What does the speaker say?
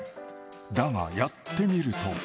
だがやってみると。